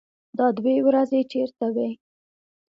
_دا دوې ورځې چېرته وې؟